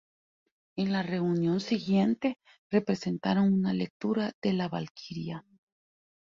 En la reunión siguiente representaron una lectura de "La valquiria".